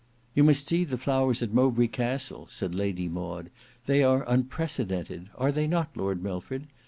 "You must see the flowers at Mowbray Castle," said Lady Maud. "They are unprecedented, are they not, Lord Milford?